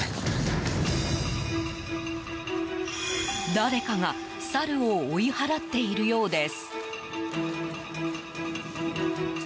誰かがサルを追い払っているようです。